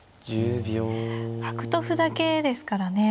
角と歩だけですからね。